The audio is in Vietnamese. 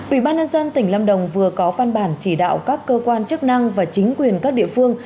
ủy ban nhân dân tỉnh lâm đồng vừa có phan bản chỉ đạo các cơ quan chức năng và chính quyền các địa phương